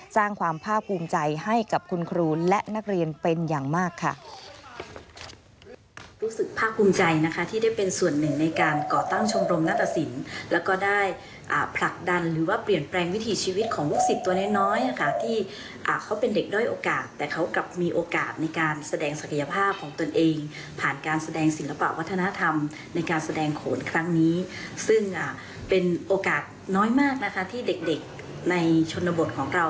สร้างความภาคภูมิใจให้กับคุณครูและนักเรียนเป็นอย่างมากค่ะ